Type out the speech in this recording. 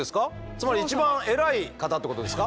つまり一番偉い方ってことですか？